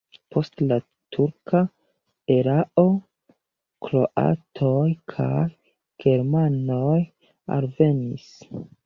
Post la turka erao kroatoj kaj germanoj alvenis.